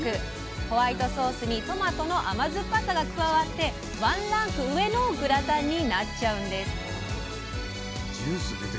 ホワイトソースにトマトの甘酸っぱさが加わってワンランク上のグラタンになっちゃうんです。